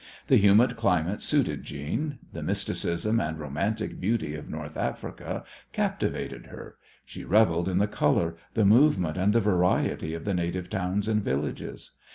The humid climate suited Jeanne. The mysticism and romantic beauty of North Africa captivated her; she revelled in the colour, the movement and the variety of the native towns and villages.